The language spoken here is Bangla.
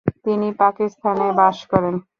তিনি পাকিস্তানে বাস করেন।